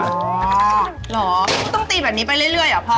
เหรอต้องตีแบบนี้ไปเรื่อยเหรอพ่อ